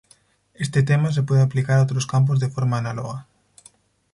Este tema se puede aplicar a otros campos de forma análoga.